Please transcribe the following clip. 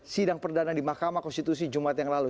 sidang perdana di mahkamah konstitusi jumat yang lalu